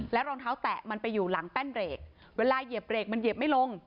รองเท้าแตะมันไปอยู่หลังแป้นเบรกเวลาเหยียบเรกมันเหยียบไม่ลง